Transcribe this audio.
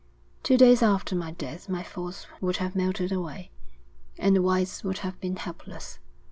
Two days after my death my force would have melted away, and the whites would have been helpless.